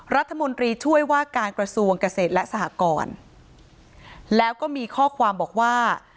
รัฐมนตรีช่วยว่าการกระทรวงเกษตรและสหกรแล้วก็มีข้อความบอกว่า